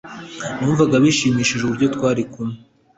Numvaga bishimishije uburyo twari kumwe